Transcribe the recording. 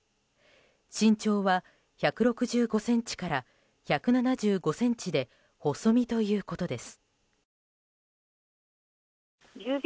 身長は１６５ｃｍから１７５ｃｍで細身ということです。